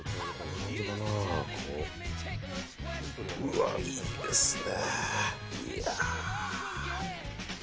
うわ、いいですね。